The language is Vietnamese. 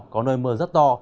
có nơi mưa rất to